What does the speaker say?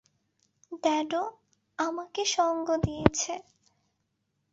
ড্যাডো আমাকে সঙ্গ দিয়েছে।